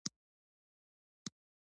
هغه پاتې پیسې له ثابتې پانګې سره یوځای کوي